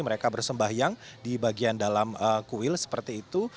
mereka bersembahyang di bagian dalam kuil seperti itu